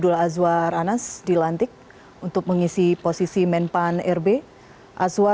lalu perbausan indonesia raya